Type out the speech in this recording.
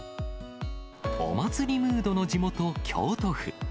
お祭りムードの地元、京都府。